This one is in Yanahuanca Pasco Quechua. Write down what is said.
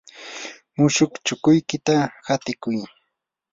mushuq chukuykita hatikuy.